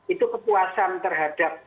itu kepuasan terhadap